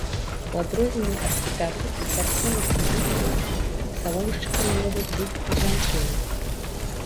У адрозненне ад святароў і царкоўнаслужыцеляў, псаломшчыкамі могуць быць і жанчыны.